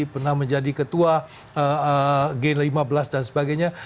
pernah menjadi ketua g lima belas dan sebagainya